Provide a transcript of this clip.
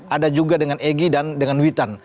ada juga dengan egy dan dengan witan